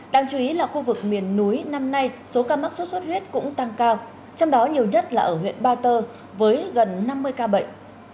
đáng chú ý là khu vực miền núi năm nay số ca mắc sốt xuất huyết cũng tăng cao trong đó nhiều nhất là ở huyện ba tơ với gần năm mươi ca bệnh